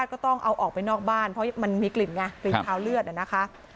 ก็ต้องเอาออกไปนอกบ้านเพราะมันมีกลิ่นไงกลิ่นคาวเลือดนะคะ